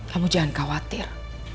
kamu jangan khawatir